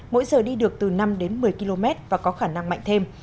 mỗi giờ đi được từ năm đến một mươi km và có khả năng mạnh thêm